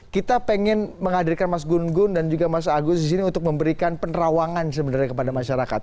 kita pengen menghadirkan mas gun gun dan juga mas agus disini untuk memberikan penerawangan sebenarnya kepada masyarakat